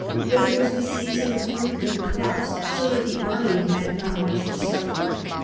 But it was the season of fruit and crops, "so that the army had not much to suffer."